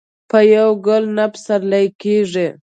په يو ګل نه پسرلی کيږي.